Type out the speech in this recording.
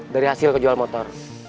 dari hasil kejualan motor